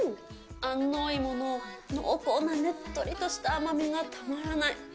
安納芋の濃厚なねっとりとした甘みがたまらない。